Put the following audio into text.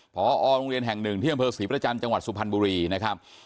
พอโรงเรียนแห่งหนึ่งที่อำเภอศรีประจันทร์จังหวัดสุพรรณบุรีนะครับ